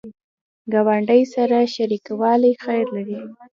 ګاونډي سره شریکوالی خیر لري